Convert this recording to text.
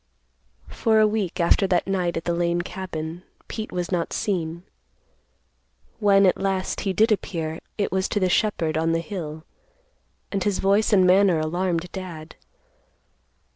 For a week after that night at the Lane cabin, Pete was not seen. When at last, he did appear, it was to the shepherd on the hill, and his voice and manner alarmed Dad.